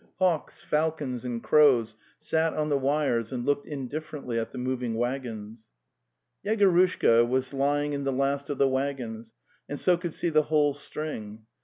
Hawks, falcons, and crows sat on the wires and looked in differently at the moving waggons. Yegorushka was lying in the last of the waggons, and so could see the whole string.